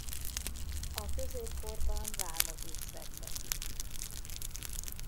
A középkorban vámot is szedtek itt.